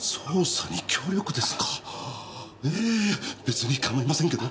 ええ別に構いませんけど。